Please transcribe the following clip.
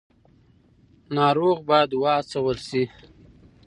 ناروغ باید وهڅول شي.